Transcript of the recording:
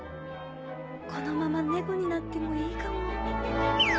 このまま猫になってもいいかも